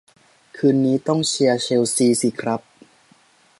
คืนนี้ต้องเชียร์เชลซีสิครับ